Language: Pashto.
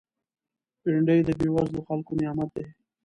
بېنډۍ د بېوزلو خلکو نعمت دی